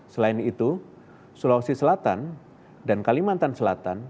selain itu sulawesi selatan dan kalimantan selatan